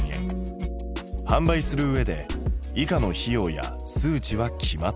販売するうえで以下の費用や数値は決まっている。